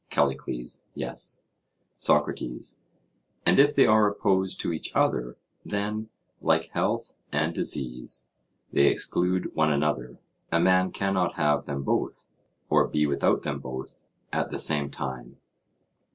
CALLICLES: Yes. SOCRATES: And if they are opposed to each other, then, like health and disease, they exclude one another; a man cannot have them both, or be without them both, at the same time?